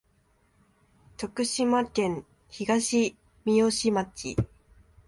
徳島県東みよし町